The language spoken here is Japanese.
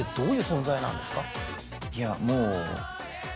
いやもう。